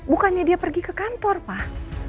bukannya dia pergi ke kantor pak